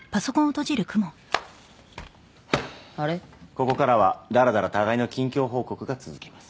ここからはダラダラ互いの近況報告が続きます